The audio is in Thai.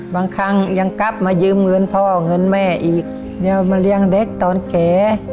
บางครั้งยังกลับมายืมเงินพ่อเงินแม่อีกเดี๋ยวมาเลี้ยงเด็กตอนแก่